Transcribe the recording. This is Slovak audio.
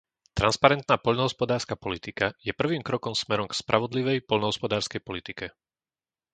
Transparentná poľnohospodárska politika je prvým krokom smerom k spravodlivej poľnohospodárskej politike.